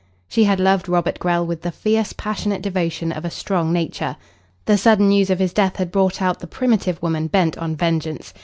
She had loved Robert Grell with the fierce, passionate devotion of a strong nature. The sudden news of his death had brought out the primitive woman bent on vengeance.